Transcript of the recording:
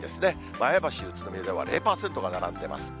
前橋、宇都宮では０％が並んでます。